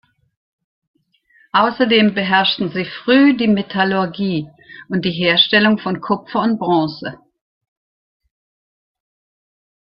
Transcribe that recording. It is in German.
Außerdem beherrschten sie früh die Metallurgie und die Herstellung von Kupfer und Bronze.